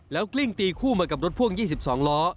กลิ้งตีคู่มากับรถพ่วง๒๒ล้อ